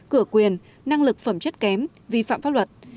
cửa quyền năng lực phẩm chất kém vi phạm pháp luật